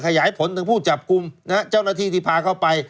ขยายผลถึงผู้จับกลุ่มนะฮะเจ้าหน้าที่ที่พาเข้าไป